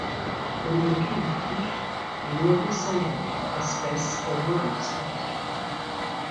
On y retrouve de plus du noyer cendré, espèce en voie de disparition.